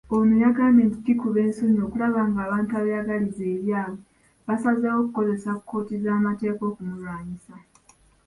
Ono yagambye nti kikuba ensonyi okulaba ng'abantu abeeyagaliza ebyabwe basazeewo okukozesa kkooti z'amateeka okumulwanyisa.